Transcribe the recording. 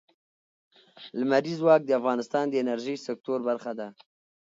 لمریز ځواک د افغانستان د انرژۍ سکتور برخه ده.